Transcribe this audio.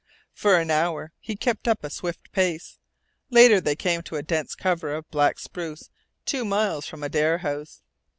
For an hour he kept up a swift pace. Later they came to a dense cover of black spruce two miles from Adare House.